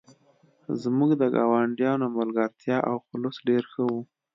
زموږ د ګاونډیانو ملګرتیا او خلوص ډیر ښه و